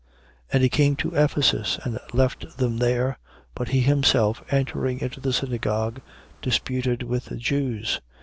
18:19. And he came to Ephesus and left them there. But he himself, entering into the synagogue, disputed with the Jews.